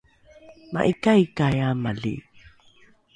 ma’ika’ikai amali